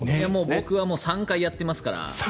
僕は３回やってますから。